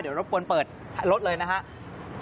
เดี๋ยวรบกวนเปิดรถเลยนะครับ